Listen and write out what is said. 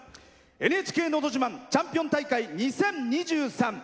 「ＮＨＫのど自慢チャンピオン大会２０２３」